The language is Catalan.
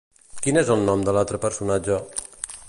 Quin és el nom de l'altre personatge?